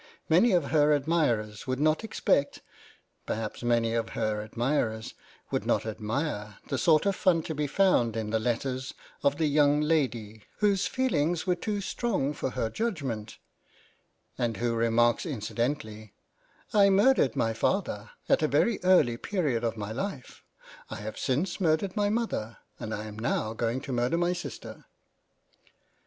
Many of her admirers would not expect, perhaps many of her xi £ PREFACE £ admirers would not admire, the sort of fun to be found in the letter of the young lady " whose feelings were too strong for her judgment," and who remarks incidentally " I mur dered my father at a very early period of my life, I have since murdered my mother, and I am now going to murder my sister."